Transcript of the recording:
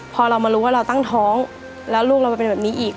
พอเรามารู้ว่าเราตั้งท้องแล้วลูกเรามาเป็นแบบนี้อีก